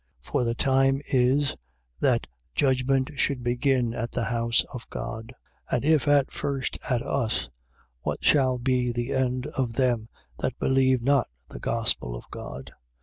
4:17. For the time is, that judgment should begin at the house of God. And if at first at us, what shall be the end of them that believe not the gospel of God?